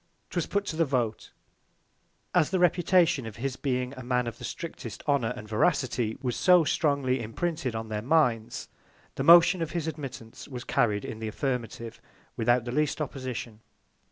'Twas put to the Vote. As the Reputation of his being a Man of the strictest Honour and Veracity was so strongly imprinted on their Minds, the Motion of his Admittance was carried in the Affirmative, without the least Opposition.